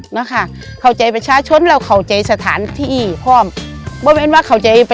บรรคิโตสิ่ยอาวุธมันฐาเองนะครับ